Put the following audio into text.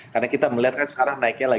karena kita melihatkan sekarang naiknya